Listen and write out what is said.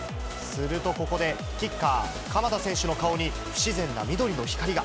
すると、ここでキッカー、鎌田選手の顔に不自然な緑の光が。